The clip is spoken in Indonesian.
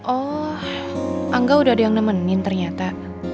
oh angga udah ada yang nemenin ternyata